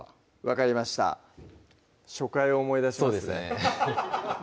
分かりました初回を思い出しますねそうですね